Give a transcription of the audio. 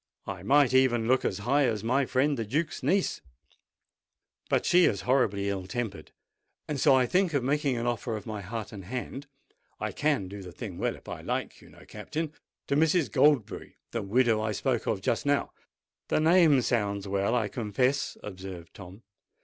I might even look as high as my friend the Duke's niece; but she is horribly ill tempered, and so I think of making an offer of my heart and hand—I can do the thing well if I like, you know, Captain—to Mrs. Goldberry, the widow I spoke of just now." "The name sounds well, I confess," observed Tom.